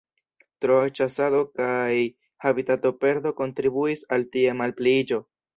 Troa ĉasado kaj habitatoperdo kontribuis al ties malpliiĝo.